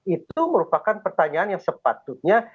itu merupakan pertanyaan yang sepatutnya